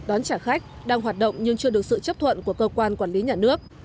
đón trả khách đang hoạt động nhưng chưa được sự chấp thuận của cơ quan quản lý nhà nước